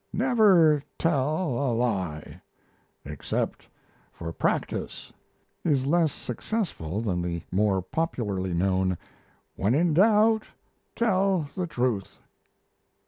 "Never tell a lie except for practice," is less successful than the more popularly known "When in doubt, tell the truth."